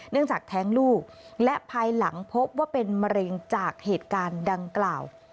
จากแท้งลูกและภายหลังพบว่าเป็นมะเร็งจากเหตุการณ์ดังกล่าว